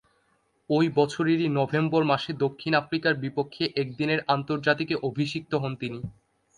ঐ বছরেরই নভেম্বর মাসে দক্ষিণ আফ্রিকার বিপক্ষে একদিনের আন্তর্জাতিকে অভিষিক্ত হন তিনি।